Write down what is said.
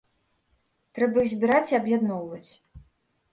Трэба іх збіраць і аб'ядноўваць.